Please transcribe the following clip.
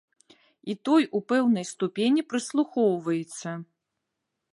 І той у пэўнай ступені прыслухоўваецца.